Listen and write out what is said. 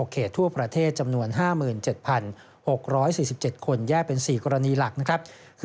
๑๘๖เขตทั่วประเทศจำนวน๕๗๖๔๗คนแย่เป็น๔กรณีหลัก